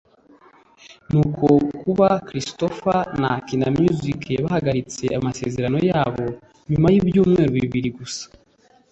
ni uko kuba Christopher na Kina Music bahagaritse amasezerano yabo nyuma y’ibyumweru bibiri gusa